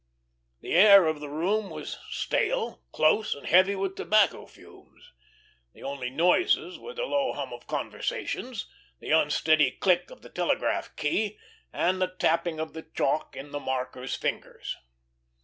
The air of the room was stale, close, and heavy with tobacco fumes. The only noises were the low hum of conversations, the unsteady click of the telegraph key, and the tapping of the chalk in the marker's fingers.